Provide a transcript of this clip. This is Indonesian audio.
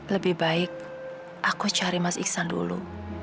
lebih baik aku cari mas iksan dulu